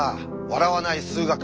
「笑わない数学」